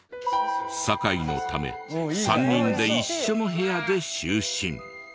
酒井のため３人で一緒の部屋で就寝。